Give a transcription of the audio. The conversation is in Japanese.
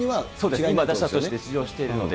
そうですね、打者として出場しているので。